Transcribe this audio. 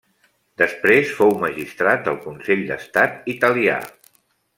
Després fou magistrat del Consell d'Estat Italià.